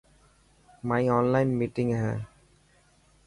مائن اونلان مينٽنگ هي.